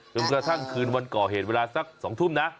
กระทั่งคืนวันก่อเหตุเวลาสัก๒ทุ่มนะ